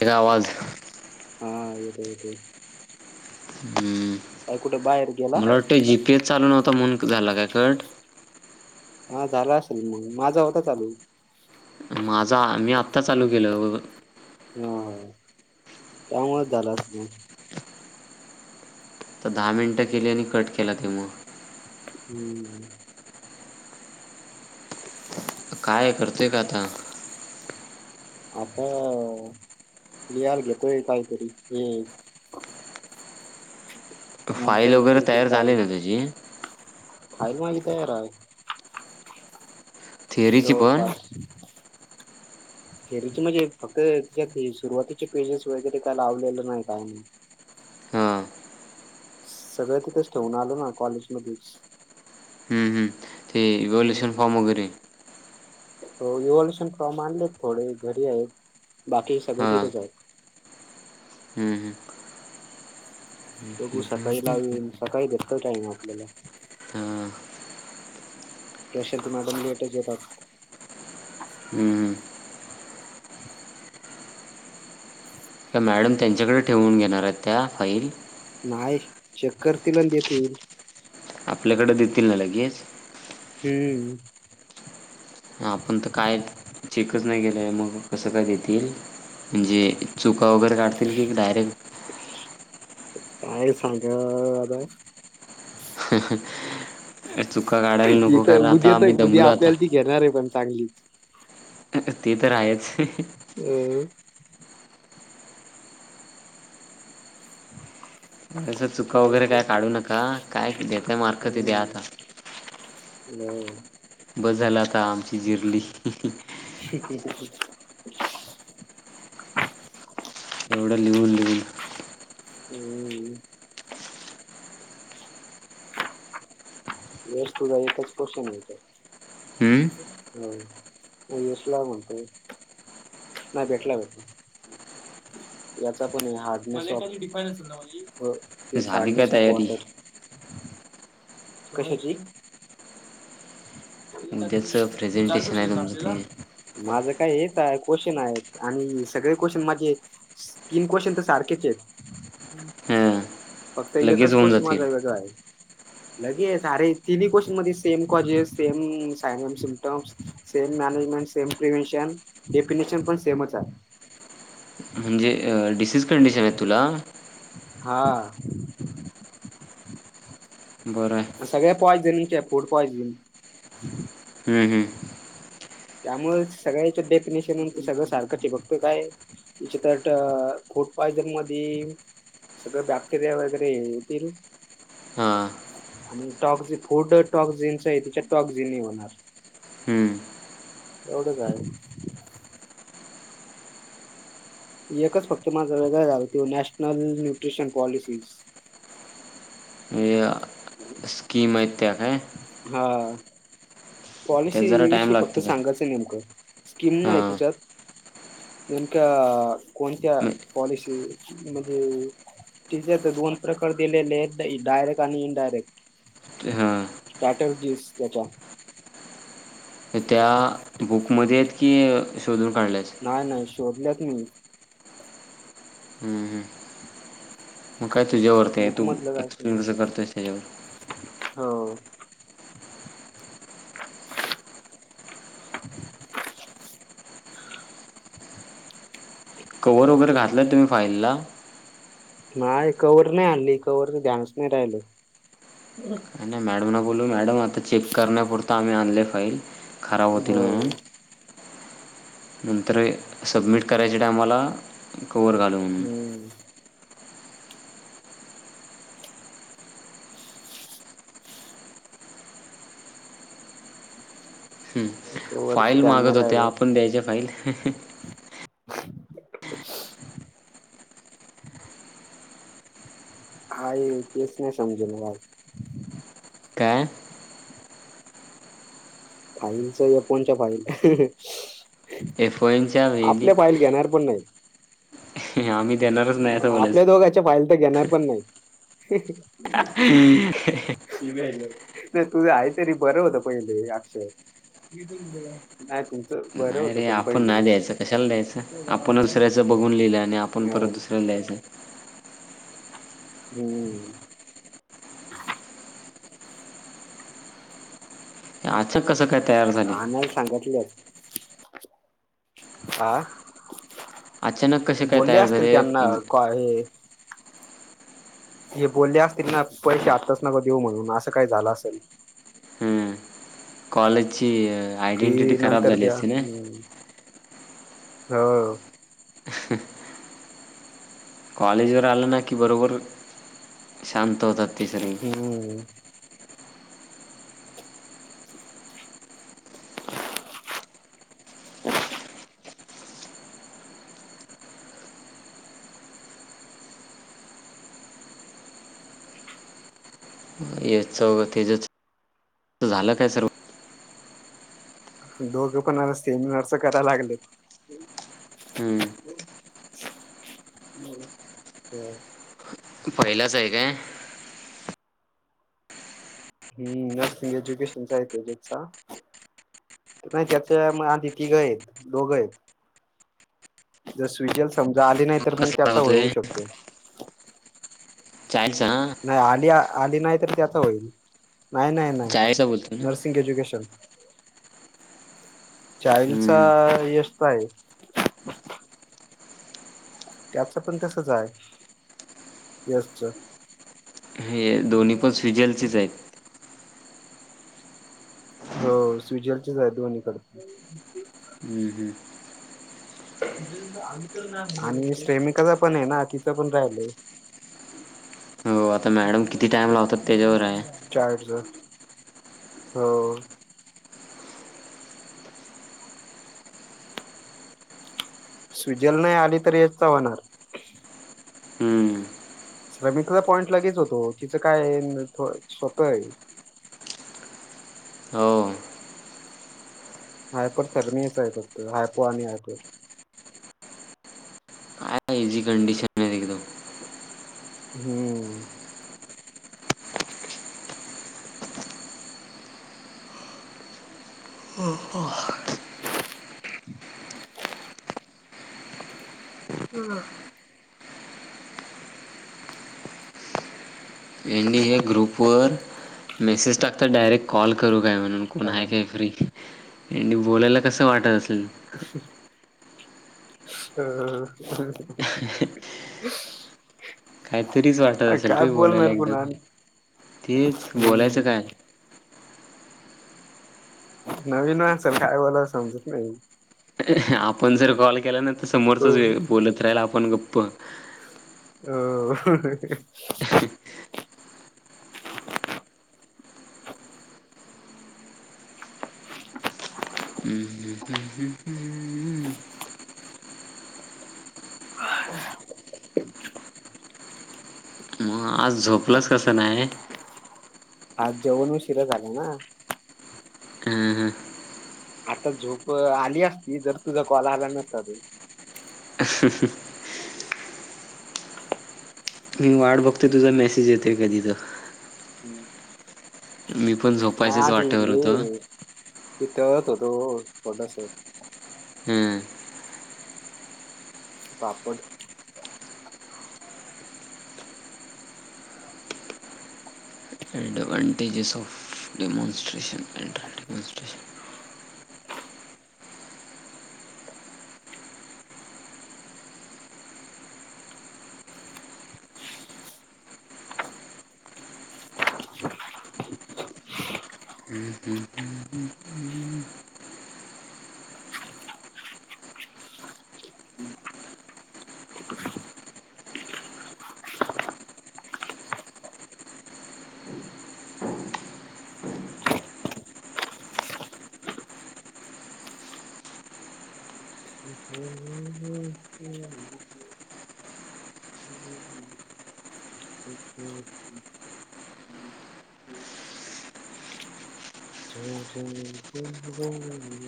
हे आवाज हा येतोय येतोय. हम्म काय कुठे बाहेर गेला मला वाटतं जी पी एस चालू नव्हत म्हणून झाला काय कट. हा झाला असेल मग माझा होता चालू माझा मी आत्ता चालू केल हा हा त्यामुळेळ झाला असल म. त दहा मिनिटं केले आणि कट केला त्यामुळं हम्म. काय करतंय काय आता? आता लिहाल घेतोय काहीतरी हे फाईल मेंटलच वगैरे ते तयार झाली काय ना त्याची? फाईल माझी तयार आहे. थिअरीची पण जवळपास. थेअरीच म्हणजे फक्त त्यात हे सुरुवातीचे पेजेस वगैरे काय लावलेलं नाही काई हां सगळं तिथेच ठेऊून आलो ना कॉलेज मध्येच. इव्हाँल्युशन फॉम वगरे हो इहाँल्युशन फॉर्म आनलेत थोडे घरी आहेत. बाकी सगळे हां तिथेच आहेत. हम्म, हम्म. [inaudible] बघू सकाळी [unintelligible] सकाळी भेटतो टाईम आपल्याला. हां तशा त मॅडम लेटच येतात. हम्म, हम्म. [inaudible] त्या मॅडम त्यांच्याकडे ठेवून घेणार आहेत त्या फाईल. नाही चेक करतील अन देतील. आपल्याकडे देतील ना लगेच? हम्म. आपण त काय चेकच नाही केेलं आहे, मग कसं काय देतील म्हंजे चूक का वगैरे काढतील की डायरेक्ट काय सांगावा आता. चुका काढायला नको कारण, इथं उद्या आता आम्ही तर उद्या दमलोय आता. आपल्याला ती घेणार आहे पण चांगलीच. ते तर आहेच. [unintelligible] चुका वगैरे काय काढू नका काय देताय ते मार्क ते आता द्या आता. हम्म. बस झाल आता. आता आमची जिर्ली.. [inaudible] एवढं लिहून लिहून हम्म. हम्म [unintelligible] झाली काय हार्डनेस ऑफ तयारी. वॉटर कशाची. [inaudible] उद्याचं प्रेझेंटेशन आहे तुमचं ते काय हेच आहे क्वेशचन आहेत आणि सगळे क्वेशचन माझे तीन क्वेशचन तर सारखेचे आहेत हां फक्त लगेच एकच होऊन गोष्ट माझा जातील वेगळा आहे. लगेच अरे तिन्ही क्वेशन मध्ये same. Same [unintelligible] management same, prevention definition पण सेमच आहे. [unintelligible] तीच कंडिशन आहे तुला. हा. बरं आहे. पॉजनिंगॅफुड पॉयजनिंग. [unintelligible] त्यामुळे सगळ्याच्या डेफिनेशन म्हणजे सगळं सारखं बघत काय त्याच्यात फूड पॉयझन मध्ये सगळं बॅक्टेरिया वगैरे येतील, हां. आणि टक् फूड टॉक्जिनच आहे तिच्या टॉक्जिन होणार,. हम्म. एवढंच आहे. एकच फक्त मात्र वेगळं झालं होत नॅशनल न्यूट्रिशन पॉलिसीज‌. ह म्हणजे [unintelligible] [unintelligible] हा हा. त्यात पॉलिसी जरा टाइम विषयी फक्त लागतो काय? सांगायचं नेमकं. स्कीम नाही हां. तिच्यात नेमक्या कोणत्या म्ह पॉलिसी म्हणजे तिच्यात दोन प्रकार दिलेले आहेत डायरेक्टर्स, आणि इनडायरेक्ट, हां. स्ट्रॅटजीस त्याच्यात. त्या बुकमध्ये आहेत की शोधून. काढल्यास? नाही नाही. शोधल्यात मी. हं, हं. मग काय तुझ्यावरती बुक तू मधलं काय नाही. एक्सप्लेन कसं करतोस त्याच्यावरच. हो कवर्हवर वगैरे घातलांय तुम्ही फाईलला. नाही कवर्हवर नाही आणली [unintelligible] राहिल. काय नाही मॅडम ना बोलू मॅडम आता चेक करण्यापुरत आम्ही आणले फाईल. खराब होतील हो म्हणून नंतर सबमिट करायचे टायमाला. कव्हर‌ घालुन. हम्म हं. कवरच फाईल ध्यान नाही मागत होत्या राहिलं आपण द्यायच्या फाईल [inaudible] हाय तेच नाही समजे ना मला काय फाईलच या फोनच्या फाईल एफमचा भेंडी आपल्या फाईल घेणार पण नाहीत आम्ही आपल्या बोलायचं दोघांच्या फहिल घेणार पण नाहीत. हम् [inaudible] नाही तुझं आहे तरी बरं होत पहिले अक्षर नाही तुमचं बरं नाही होत आपण नाही द्यायचं कशाला द्यायचं आपण दुसऱ्याचं बघून लिहिलं आणि आपण परत, अं, दुसऱ्याच लिहायचं. हम्म असच हा नाही सांगितल आ अचानक कसे काय तयार झाले? त्यांना का- हे हे बोलले असतील पैसे आत्ताच नकं देऊ म्हणून असं काय झालं असेल कॉलेेजी ची आयडेंटिटी फी खराब नंतर झाली द्या असते ना, हम्म. हो ह अ. कॉलेज वर आलं ना, कि बरोबर शांत होतात ते सर्वी. हम्म हे चौघ तेजच झालं काय सर्व? दोघं पण सेमिनारच करायला लागलेत. हम्म! [unintelligible] बरं बरं. पहिलाच आहे काय? हम्म! नर्सिंग एज्युकेशनचा आहे तो जत चा नाही त्याच्या मग आधी तिघं आहेत दोघं आहेत. जर स्विगल समजा आली नाही? तर मग कसला त्याचा होऊ होतोय शकतो. चान्स हा नाही आली आली नाही तर, त्याच होईल. नाही नाही नाही, चाळीचा बोलतो ना नर्सिंग एज्युकेशन चायचा हम्म यश काय? त्याच पण तसच आहे यशचं. हे दोन्ही पण स्विजलचीचं आहेत. हो स्विजलचीचं आहे दोन्ही कडं. हम्म हम्म. आणि श्रमिकाचा पण आहे ना, तिचं पण राहिलय. हो आता मॅडम किती टाइम लावतात त्याच्यावर आहे. चार्ज हो. स्विजल नाही आली तरी, यशचा होणार. हम्म. श्रमिकला पॉइंट लगेच होतो, तिचं काय अ न थो [unintelligible] आहे. हो हायपर थर्मीच आहे फक्त, हायपो आणि हायपोर काय इझी कंडिशन आहे एकदम हम्म! [unintelligible] हा आणि हे ग्रुपवर मेसेज टाकतात, डायरेक्ट कॉल करून काय म्हणून, कोण आहे काय फ्री? आणि बोलायला, कसं वाटतं असलं. उशीर हा [unintelligible] [inaudible] ह [inaudible] कायतरीच वाटत असेल रे बोलायला पुन्हा एकदम, तेच बोलायचं हम्म काय? नवीन मानसाला काय बोलाव समजत नाही. [inaudible] आपण जर कॉल केला ना समोरचाच हो व्य बोलत राहिल, आपण गप्प. अ हम्म मग आज झोपलंस कसं नाही आज जेवण उ शिर झाला ना हं हं आता झोप आली असती जर तुझा कॉल आला नसता त ह मी वाट बघतेो तुझा मेसेज येते कधी तर मी पण झोपायचच वाटेवर होतं कथळत होतो थोडस हम्म पापड advantages of demonstration and demonstration हम्म हमम हमम ह हम [unintelligible]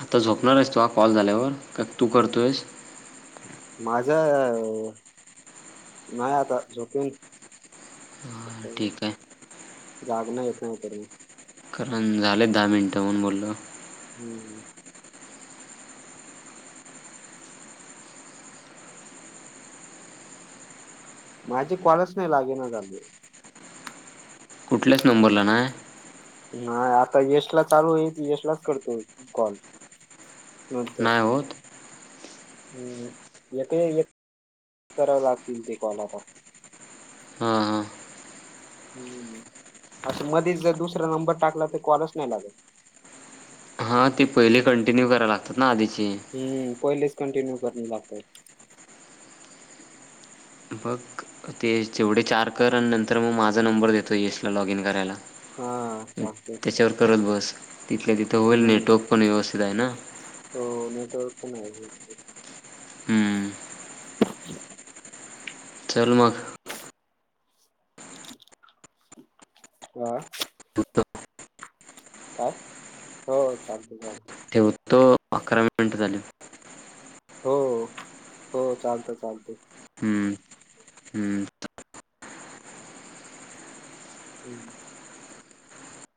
आता झोपणार आहेस तु कॉल झाल्यावर का तू करतोयस माझा नाही आता झोकेन सक हां ठीक आहे जाग नाही येत तर झालेत दहा मिनिटं म्हणून बोललो. हम्म माझे कॉलच नाही लागे ना झाले. कुठल्याच नंबरला नाय? नाही आता यशला चालू आहेत, यशलाच करतो, कॉल. नंतर नाही होत हम् एक एक करावे लागतील ते कॉल आता. हां हम्म अस मधीच जर दुसरा नंबर टाकला तर कॉलच नाही लागत. हा ती पहिली कंटिन्यू कराय लागातात ना आधी- हम् पहिलेच कंटिन्यू करुन जातात. बघ ते तेवढे चार कर आणि नंतर म माझा नंबर देतो यशला लॉगइन करायला. हा चालते त्याच्यावर करत बस. तिथल्या तिथं होईल नेट हम्म ओपन व्यवस्थित आहे ना? ओपन आहे, होईल तर. हम् [inaudible] चल मग. [inaudible] आ... काय हो चालतंय चालतंय. ठेवतो अकरा मिनिट झालेत. हो हो हो चालतंय चालतंय. हम्म. हम्म हम्